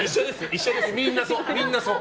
みんな、そう。